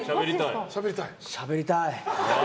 しゃべりたい？